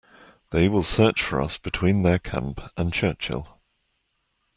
They will search for us between their camp and Churchill.